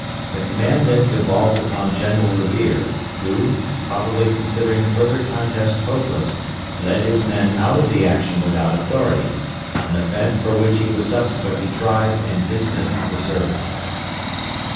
The command then devolved upon general Revere, who, probably considering further contest hopeless, led his men out of the action without authority an offence for which he was subsequently tried and dismissed the service.